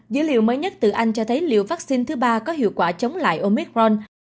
dữ liệu mới nhất từ anh cho thấy liều vaccine thứ ba có hiệu quả chống lại omicron